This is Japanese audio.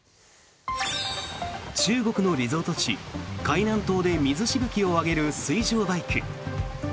中国のリゾート地・海南島で水しぶきを上げる水上バイク。